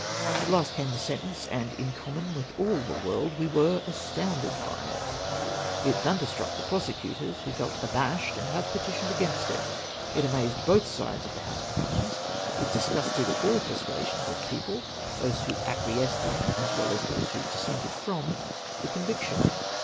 At last came the sentence, and, in common with all the world, we were astounded by it. It thunderstruck the prose cutors, who felt abashed and have petitioned a^gainst it ; it amazed both sides of the House of Commons; it disgusted all persuasions of people — those who acquiesced in as well as those who dissented from the conviction.